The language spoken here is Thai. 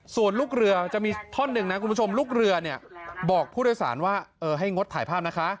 ส่วนลูกเรือจะมีท่อนหนึ่งนะคุณผู้ชมลูกเรือเนี่ยบอกผู้โดยสารว่าเออให้งดถ่ายภาพนะคะ